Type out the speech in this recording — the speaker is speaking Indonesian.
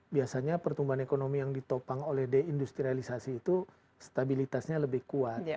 biasanya pertumbuhan ekonomi yang ditopang oleh deindustrialisasi itu stabilitasnya lebih kuat